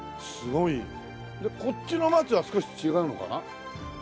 すごい。こっちの松は少し違うのかな？